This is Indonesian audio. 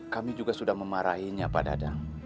kami juga sudah memarahinya pak dadang